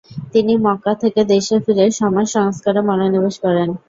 তিনি মক্কা থেকে দেশে ফিরে সমাজ সংস্কারে মনোনিবেশ করেন।